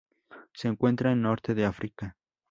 Se encuentra en norte de África.